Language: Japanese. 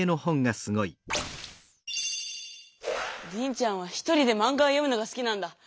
リンちゃんは１人でマンガを読むのがすきなんだ。